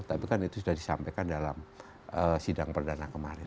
tapi kan itu sudah disampaikan dalam sidang perdana kemarin